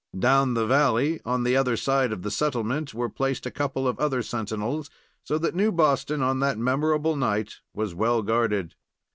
Down the valley, on the other side of the settlement, were placed a couple of other sentinels, so that New Boston, on that memorable night, was well guarded.